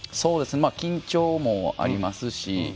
緊張もありますし。